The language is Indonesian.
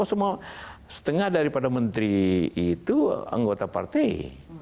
setengah daripada menteri itu anggota partai